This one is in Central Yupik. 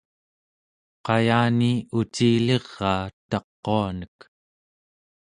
qayani uciliraa taquanek